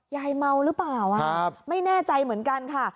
ยายเมาหรือเปล่าไม่แน่ใจเหมือนกันค่ะ